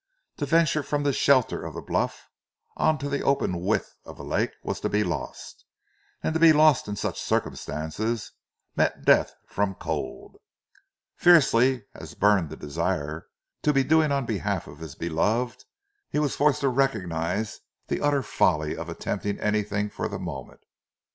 To venture from the shelter of the bluff on to the open width of the lake was to be lost, and to be lost in such circumstances meant death from cold. Fiercely as burned the desire to be doing on behalf of his beloved, he was forced to recognize the utter folly of attempting anything for the moment.